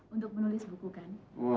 untuk menulis buku kan